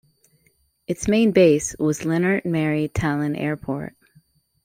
Its main base was Lennart Meri Tallinn Airport.